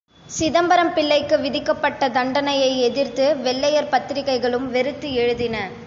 சிதம்பரம் பிள்ளைக்கு விதிக்கப்பட்ட தண்டனையை எதிர்த்து வெள்ளையர் பத்திரிகைகளும் வெறுத்து எழுதின.